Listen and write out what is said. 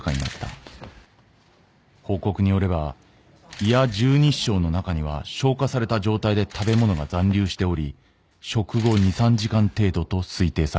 報告によれば胃や十二指腸の中には消化された状態で食べ物が残留しており食後２３時間程度と推定された。